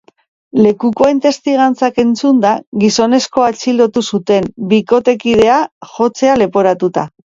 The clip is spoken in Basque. Lekukoen testigantzak entzunda, gizonezkoa atxilotu zuten, bikotekidea jotzea leporatuta.